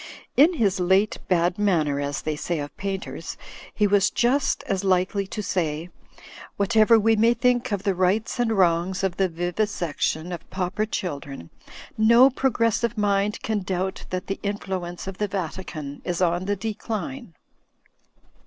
In his late bad manner, as they say of painters, he was just as likely to say, "Whatever we may think of the rights and wrongs of the vivisection of pauper children, no progressive mind can doubt that the influence of the Vatican is on the decline."